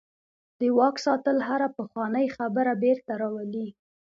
د واک ساتل هره پخوانۍ خبره بیرته راولي.